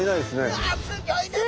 うわすギョいですね！